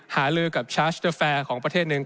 หาลื่อกับเชาร์จเถพแฟรของประเทศหนึ่ง